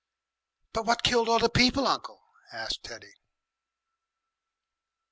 "But what killed all the people, uncle?" asked Teddy.